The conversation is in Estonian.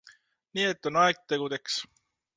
Nii et on aeg tegudeks.